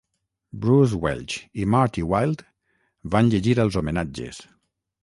Bruce Welch i Marty Wilde van llegir els homenatges.